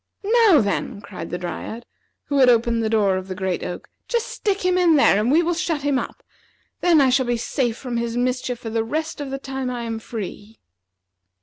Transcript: "Now, then," cried the Dryad, who had opened the door of the great oak, "just stick him in there, and we will shut him up. Then I shall be safe from his mischief for the rest of the time I am free."